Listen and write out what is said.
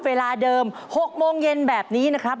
เวลาเดิม๖โมงเย็นแบบนี้นะครับ